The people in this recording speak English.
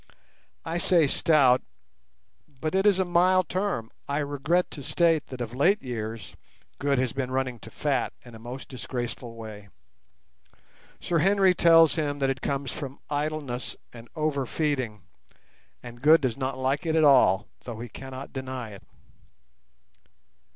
I say stout, but it is a mild term; I regret to state that of late years Good has been running to fat in a most disgraceful way. Sir Henry tells him that it comes from idleness and over feeding, and Good does not like it at all, though he cannot deny it.